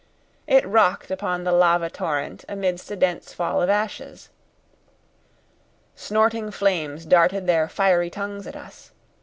It rocked upon the lava torrent, amidst a dense fall of ashes. Snorting flames darted their fiery tongues at us.